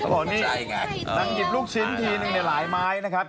โอ้โหนี่ไงนางหยิบลูกชิ้นทีหนึ่งในหลายไม้นะครับ